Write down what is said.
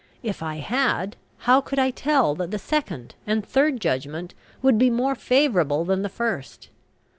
If I had, how could I tell that the second and third judgment would be more favourable than the first?